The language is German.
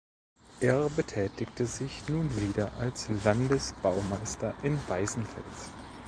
Er betätigte sich nun wieder als Landesbaumeister in Weißenfels.